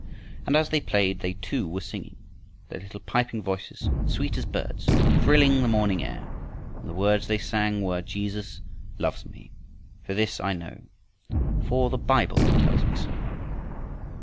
And as they played they too were singing, their little piping voices, sweet as birds, thrilling the morning air. And the words they sang were: Jesus loves me, this I know, For the Bible tells me so.